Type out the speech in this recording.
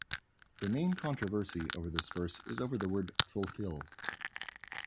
The main controversy over this verse is over the word fulfill.